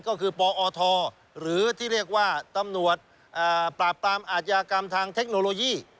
ก็คือปอทหรือที่เรียกว่าตำรวจปราบปรามอาชญากรรมทางเทคโนโลยี